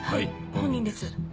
本人です。